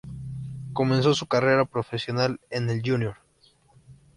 Comenzó su carrera profesional en el Junior.